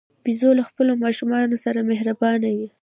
بیزو له خپلو ماشومانو سره مهربانه وي.